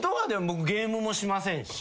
僕ゲームもしませんし。